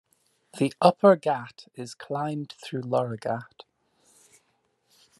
The Upper Ghat is climbed through Loroghat.